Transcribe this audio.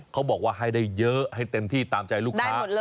เขาบอกว่าให้ได้เยอะให้เต็มที่ตามใจลูกค้า